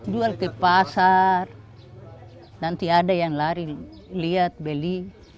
jual ke pasar nanti ada yang lari lihat beli